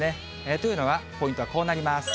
というのは、ポイントはこうなります。